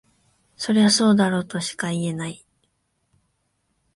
そりゃそうだろとしか言えない